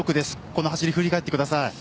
この走り、振り返ってください。